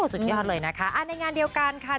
สุดยอดเลยนะคะในงานเดียวกันค่ะ